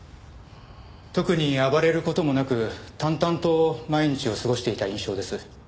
特に暴れる事もなく淡々と毎日を過ごしていた印象です。